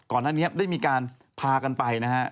ก่อนหน้านี้ได้มีการพากันไปนะฮะ